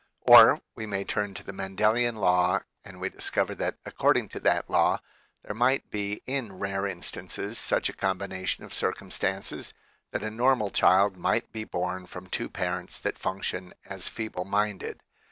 Or we may turn to the Men delian law and we discover that according to that law there might be in rare instances such a combination of circumstances that a normal child might be born from two parents that function as feeble minded.